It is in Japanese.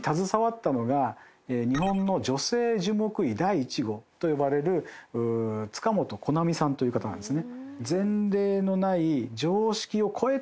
日本の女性樹木医第１号と呼ばれる塚本こなみさんという方なんですね。